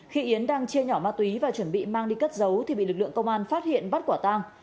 khi yến đang chia nhỏ ma túy và chuẩn bị mang đi cất giấu thì bị lực lượng công an phát hiện bắt quả tang